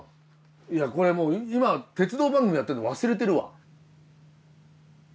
いやこれ今鉄道番組をやってるのを忘れてるわ。